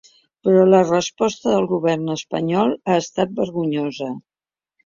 Però la resposta del govern espanyol ha estat vergonyosa.